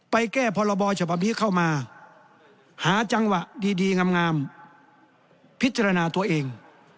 ไปแก้พรบฉบับนี้เข้ามาหาจังหวะดีงามพิจารณาตัวเอง